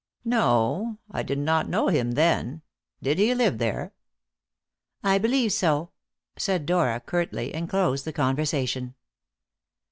"No; I did not know him then. Did he live there?" "I believe so," said Dora curtly, and closed the conversation.